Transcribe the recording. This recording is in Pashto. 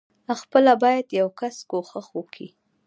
خپله بايد يو کس کوښښ وکي.